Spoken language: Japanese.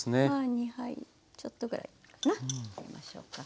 ２杯ちょっとぐらいかな入れましょうか。